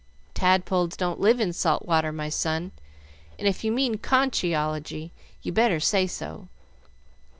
"Tadpoles don't live in salt water, my son, and if you mean conchology, you'd better say so.